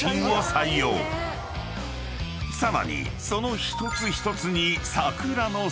［さらにその一つ一つに］